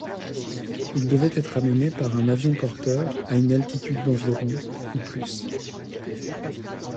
Il devait être amené par un avion-porteur à une altitude d'environ ou plus.